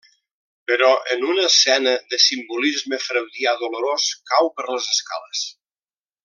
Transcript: Però, en una escena de simbolisme freudià dolorós, cau per les escales.